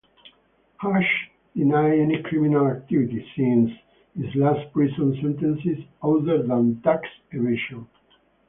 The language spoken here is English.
Hutch denied any criminal activity, since his last prison sentence, other than tax evasion.